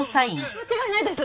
間違いないです！